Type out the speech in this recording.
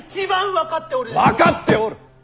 分かっておる。